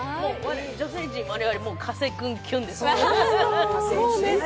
女性陣、我々、もう加瀬君キュンです。